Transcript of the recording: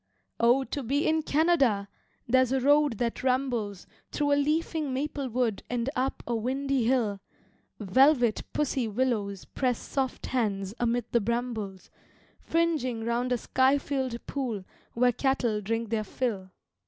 Oh, to be in Canada! there's a road that rambles Through a leafing maple wood and up a windy hill, Velvet pussy willows press soft hands amid the brambles Fringing round a sky filled pool where cattle drink their fill.